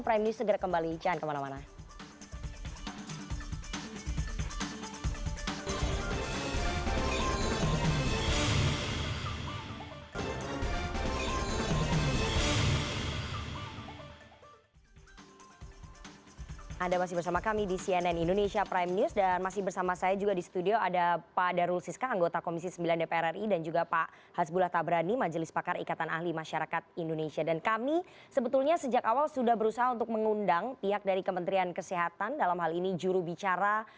prime news segera kembali jangan kemana mana